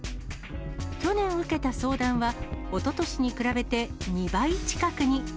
去年受けた相談は、おととしに比べて２倍近くに。